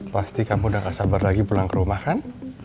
pasti kamu udah gak sabar lagi pulang ke rumah kan